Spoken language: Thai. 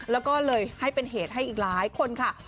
แล้วก็เลยให้เป็นเหตุให้อีกหลายคนค่ะ